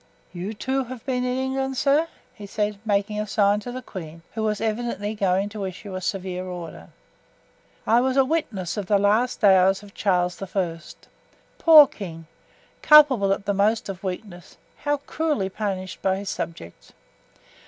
"You, too, have been in England, sir?" he said, making a sign to the queen, who was evidently going to issue a severe order. "I was a witness of the last hours of Charles I. Poor king! culpable, at the most, of weakness, how cruelly punished by his subjects!